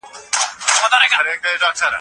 پوهه له عمره زياته ارزښت لري.